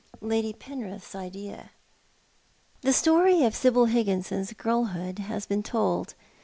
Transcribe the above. LADY Penrith's idea. The story of Sibyl Higginson's girlhood has been told.